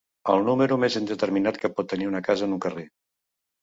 El número més indeterminat que pot tenir una casa en un carrer.